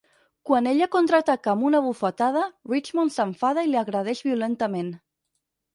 Quan ella contraataca amb una bufetada, Richmond s'enfada i l'agredeix violentament.